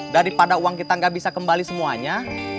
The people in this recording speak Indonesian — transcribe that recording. daripada uang kita nggak bisa kembali semuanya